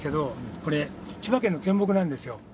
これ千葉県の県木なんですよ。